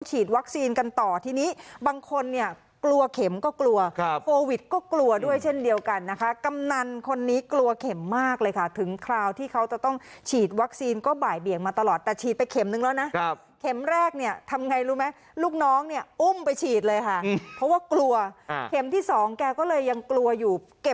ฉีดวัคซีนกันต่อทีนี้บางคนเนี่ยกลัวเข็มก็กลัวโควิดก็กลัวด้วยเช่นเดียวกันนะคะกำนันคนนี้กลัวเข็มมากเลยค่ะถึงคราวที่เขาจะต้องฉีดวัคซีนก็บ่ายเบี่ยงมาตลอดแต่ฉีดไปเข็มนึงแล้วนะเข็มแรกเนี่ยทำไงรู้ไหมลูกน้องเนี่ยอุ้มไปฉีดเลยค่ะเพราะว่ากลัวเข็มที่สองแกก็เลยยังกลัวอยู่